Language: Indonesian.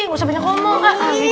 gak usah banyak ngomong